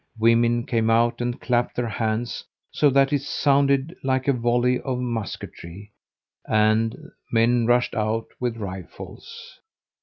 Women came out and clapped their hands so that it sounded like a volley of musketry, and the men rushed out with rifles.